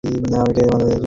আমি কী বলছি মন দিয়ে শুনুন।